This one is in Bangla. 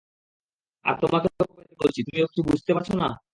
আরে তোমাকেও কবে থেকে বলছি, তুমিও কিছু বুঝতে পারছো না?